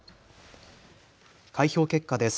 開票結果です。